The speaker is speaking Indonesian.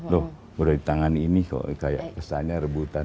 loh udah di tangan ini kok kayak kesannya rebutan